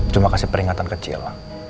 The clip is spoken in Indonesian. cuma kasih peringatan kecil